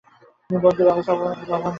তিনি বঙ্গীয় ব্যবস্থাপক সভার সদস্য ছিলেন।